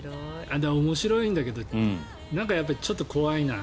面白いんだけどなんかちょっと怖いな。